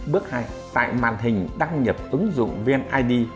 bước hai tại màn hình đăng nhập ứng dụng vnid